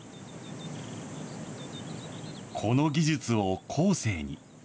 この技術を後世に。